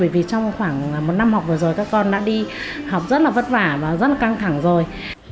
vì trong khoảng một năm học vừa rồi các con đã đi học rất là vất vả và rất là căng thẳng rồi